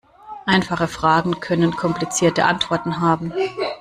Einfache Fragen können komplizierte Antworten haben.